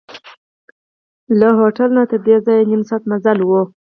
له هوټل نه تردې ځایه نیم ساعت مزل و.